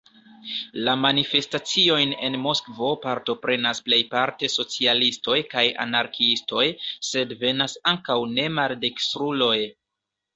La manifestaciojn en Moskvo partoprenas plejparte socialistoj kaj anarkiistoj, sed venas ankaŭ ne-maldekstruloj.